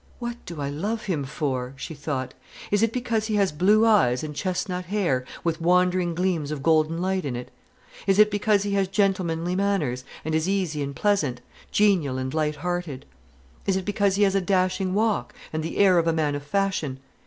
"What do I love him for?" she thought. "Is it because he has blue eyes and chestnut hair, with wandering gleams of golden light in it? Is it because he has gentlemanly manners, and is easy and pleasant, genial and light hearted? Is it because he has a dashing walk, and the air of a man of fashion?